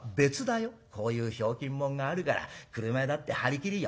こういうひょうきん者があるから車屋だって張り切るよ。